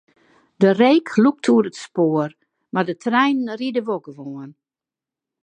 De reek lûkt oer it spoar, mar de treinen ride wol gewoan.